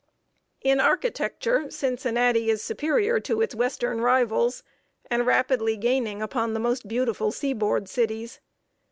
In architecture, Cincinnati is superior to its western rivals, and rapidly gaining upon the most beautiful seaboard cities.